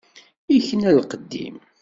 Ikna lqedd-im.